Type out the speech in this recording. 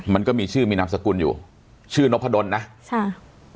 มันก็มีชื่อมีนามสกุลอยู่ชื่อนพดลนะค่ะ